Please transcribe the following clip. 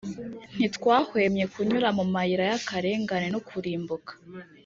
Ntitwahwemye kunyura mu mayira y’akarengane n’ukurimbuka,